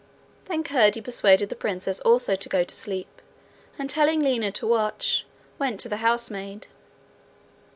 Then Curdie persuaded the princess also to go to sleep, and telling Lina to watch, went to the housemaid.